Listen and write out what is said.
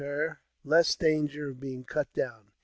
261 danger of being cut down.